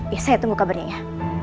ya saya tunggu kabarnya ya